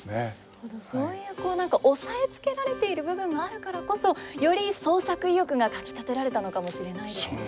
本当にそういうこう何か抑えつけられている部分があるからこそより創作意欲がかきたてられたのかもしれないですね。